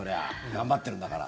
頑張ってるんだから。